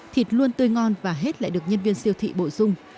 thịt luôn tươi ngon và hết lại được nhân viên siêu thị bổ dung